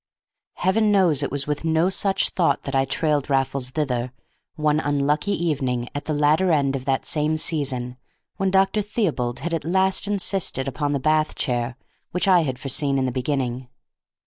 Heaven knows it was with no such thought I trailed Raffles thither, one unlucky evening at the latter end of that same season, when Dr. Theobald had at last insisted upon the bath chair which I had foreseen in the beginning.